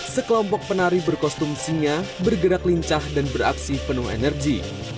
sekelompok penari berkostum singa bergerak lincah dan beraksi penuh energi